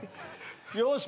よし！